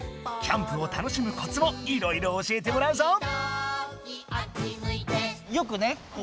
キャンプを楽しむコツをいろいろ教えてもらうぞ！